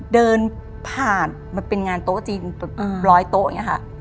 เดินผ่านมันเป็นงานโต๊ะจีน๑๐๐โต๊ะอย่างนี้ค่ะ